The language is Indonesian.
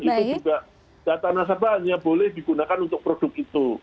itu juga data nasabah hanya boleh digunakan untuk produk itu